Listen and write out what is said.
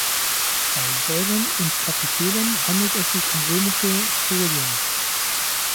Bei Säulen und Kapitellen handelt es sich um römische Spolien.